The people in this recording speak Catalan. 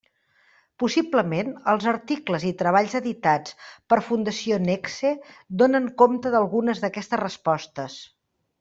Possiblement, els articles i treballs editats per Fundació Nexe donen compte d'algunes d'aquestes respostes.